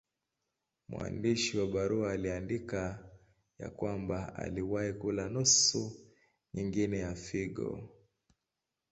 Mwandishi wa barua aliandika ya kwamba aliwahi kula nusu nyingine ya figo.